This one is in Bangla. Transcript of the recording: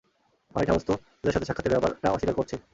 হোয়াইট হাউস তো ওদের সাথে সাক্ষাতের ব্যাপারটা অস্বীকার করছে!